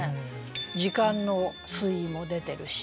時間の推移も出てるし。